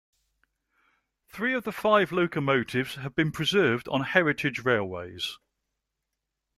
Three of the five locomotives have been preserved on heritage railways.